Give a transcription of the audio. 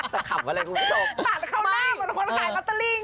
ตัดเข้าหน้าเหมือนคนขายแบตเตอรี่จริง